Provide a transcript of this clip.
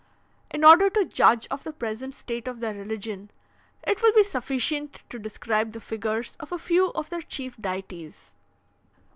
"In order to judge of the present state of their religion, it will be sufficient to describe the figures of a few of their chief deities.